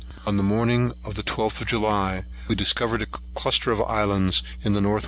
On the morning of the 12th of July, we discovered a cluster of islands in the N.W.